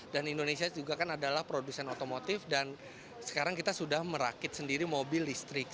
dan indonesia juga kan adalah produsen otomotif dan sekarang kita sudah merakit sendiri mobil listrik